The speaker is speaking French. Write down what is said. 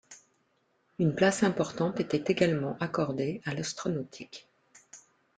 Une place importante était également accordée à l'astronautique.